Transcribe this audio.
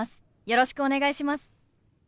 よろしくお願いします。